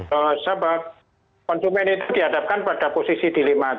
so sahabat konsumen ini dihadapkan pada posisi dilemat